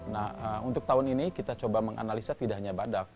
nah untuk tahun ini kita coba menganalisa tidak hanya badak